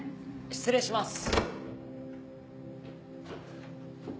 失礼します。